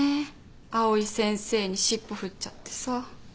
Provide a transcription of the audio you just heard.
藍井先生に尻尾振っちゃってさ。